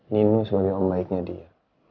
nino sebagai om baiknya dia